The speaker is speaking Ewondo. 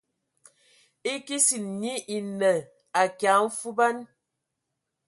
E kesin nyi enə akia mfuban.